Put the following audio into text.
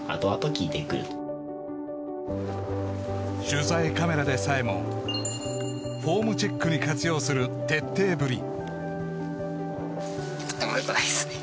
取材カメラでさえもフォームチェックに活用する徹底ぶり